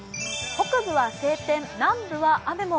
北部は晴天、南部は雨も。